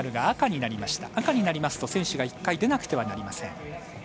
赤になりますと選手が１回出なくてはなりません。